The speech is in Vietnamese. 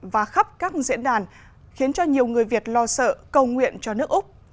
và khắp các diễn đàn khiến cho nhiều người việt lo sợ cầu nguyện cho nước úc